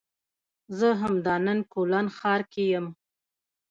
زه همدا نن کولن ښار کې یم